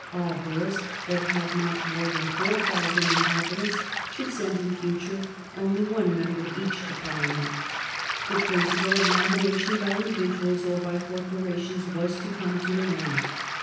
All boroughs that had not more than 4000 inhabitants should send in future only one member each to Parliament. The principle of nomination by individuals or by corporations was to come to an end.